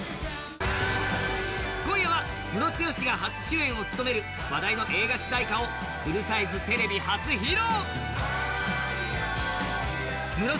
今夜はムロツヨシが初主演を務める話題の映画主題歌をフルサイズテレビ初披露。